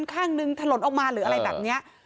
ข้างนึงถล่นออกมาหรืออะไรแบบนี้